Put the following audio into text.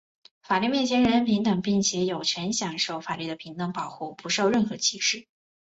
法律之前人人平等,并有权享受法律的平等保护,不受任何歧视。